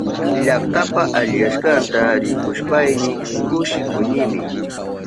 Llaktapa aliyashkanta rikushpayni kushikunimi.